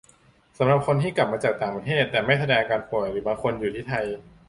สำหรับคนที่กลับมาจากต่างประเทศ แต่ไม่แสดงอาการป่วย หรือบางคนอยู่ที่ไทย